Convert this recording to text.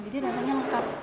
jadi rasanya lengkap